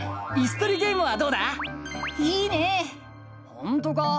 ほんとか？